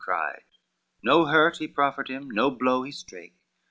cried, No hurt he proffered him, no blow he strake.